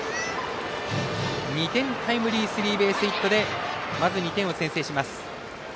２点タイムリースリーベースヒットでまず２点を先制します。